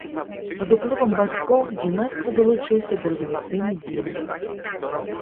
Пад уплывам бацькоў з юнацтва далучыўся да рэвалюцыйнай дзейнасці.